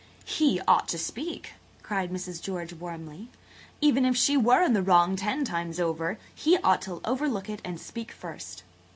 "He ought to speak," cried Mrs. George warmly. "Even if she were in the wrong ten times over, he ought to overlook it and speak first."